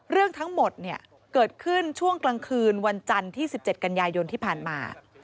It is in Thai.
เรื่องทั้งหมดเนี่ยเกิดขึ้นช่วงกลางคืนวันจันทร์ที่๑๗กันยายนที่ผ่านมา